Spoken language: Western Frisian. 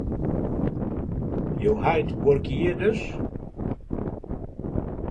Jo heit buorke hjir dus?